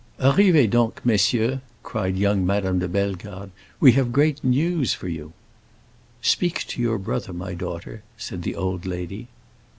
"Arrivez donc, messieurs!" cried young Madame de Bellegarde. "We have great news for you." "Speak to your brother, my daughter," said the old lady.